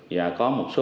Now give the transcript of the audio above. và tổ chức đưa xe